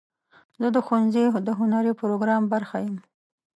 زه د ښوونځي د هنري پروګرام برخه یم.